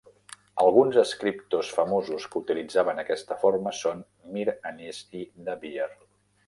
Alguns escriptors famosos que utilitzaven aquesta forma són Mir Anis i Dabeer.